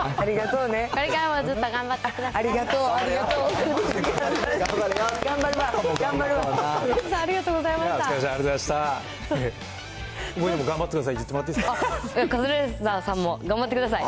これからもずっと頑張ってください。